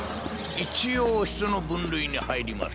一応人の分類に入ります。